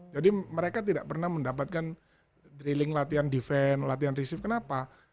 jadi mereka tidak pernah mendapatkan drilling latihan defense latihan receive kenapa